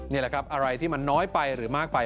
นี่แหละครับอะไรที่มันน้อยไปหรือมากไป